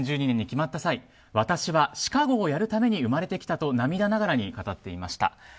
２０１２年に決まった際私は「ＣＨＩＣＡＧＯ」をやるために生まれてきたと涙ながらに語っていました。